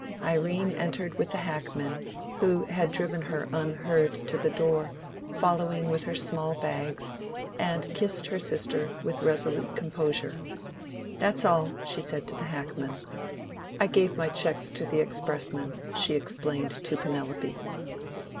Irene entered with the hackman, who had driven her unheard to the door, following with her small bags, and kissed her sister with resolute composure. "That's all," she said to the hackman. "I gave my checks to the expressman," she explained to Penelope.